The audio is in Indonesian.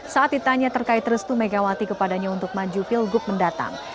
saat ditanya terkait restu megawati kepadanya untuk maju pilgub mendatang